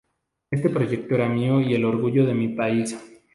Este proyecto era mío y el orgullo de mi país.